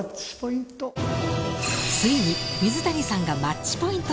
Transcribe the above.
ついに水谷さんがマッチポイント！